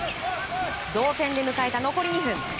同点で迎えた残り２分